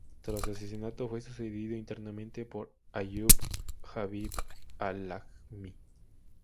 Tras su asesinato, fue sucedido interinamente por Ayyub Habib al-Lajmi.